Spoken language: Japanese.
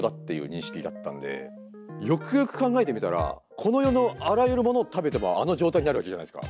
よくよく考えてみたらこの世のあらゆるものを食べてもあの状態になるわけじゃないですか。